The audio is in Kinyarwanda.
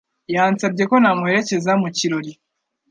Yansabye ko namuherekeza mu kirori.